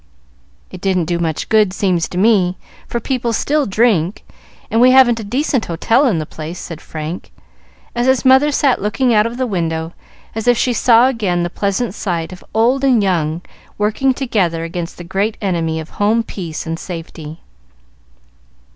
"It didn't do much good, seems to me, for people still drink, and we haven't a decent hotel in the place," said Frank, as his mother sat looking out of the window as if she saw again the pleasant sight of old and young working together against the great enemy of home peace and safety.